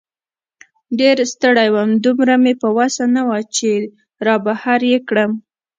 ډېر ستړی وم، دومره مې په وسه نه وه چې را بهر یې کړم.